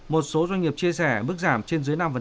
một số doanh nghiệp chia sẻ mức giảm trên dưới năm